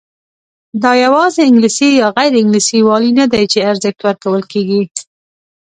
دا یوازې انګلیسي یا غیر انګلیسي والی نه دی چې ارزښت ورکول کېږي.